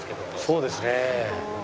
そうですね。